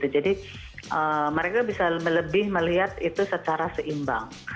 jadi mereka bisa lebih melihat itu secara seimbang